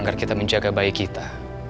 agar kita menjaga bayi kita